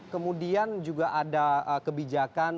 kemudian juga ada kebijakan